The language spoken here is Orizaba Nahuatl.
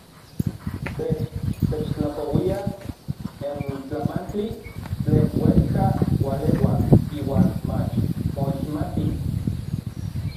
Tej techtlapouia n tlamantli tlen uejka ualeua iuan mach moixmati.